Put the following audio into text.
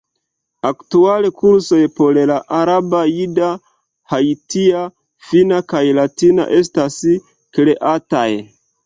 Aktuale kursoj por la araba, jida, haitia, finna, kaj latina estas kreataj.